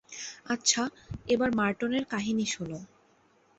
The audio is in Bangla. আচ্ছা, এবার মার্টনের কাহিনী শোনো।